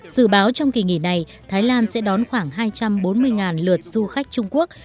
dự báo trong kỳ nghỉ này thái lan sẽ đón khoảng hai trăm bốn mươi lượt du khách trung quốc